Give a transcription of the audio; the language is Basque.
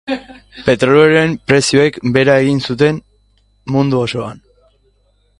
Petrolioaren prezioek behera egin zuten mundu osoan.